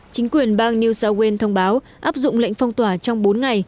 chính quyền bang new south wales thông báo áp dụng lệnh phong tỏa trong bốn ngày